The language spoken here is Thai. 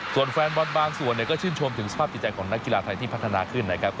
ส่วนแฟนบอลบางส่วนก็ชื่นชมถึงสภาพจิตใจของนักกีฬาไทยที่พัฒนาขึ้นนะครับ